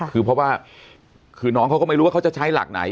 คือเพราะว่าคือน้องเขาก็ไม่รู้ว่าเขาจะใช้หลักไหน